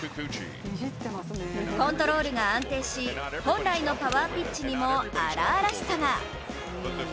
コントロールが安定し本来のパワーピッチにも荒々しさが。